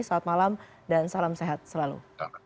selamat malam dan salam sehat selalu